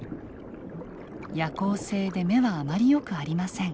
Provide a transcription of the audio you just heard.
夜行性で目はあまりよくありません。